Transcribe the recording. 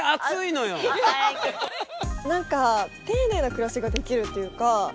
何か丁寧な暮らしができるというか。